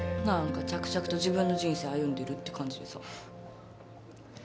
何か着々と自分の人生歩んでるって感じでさ。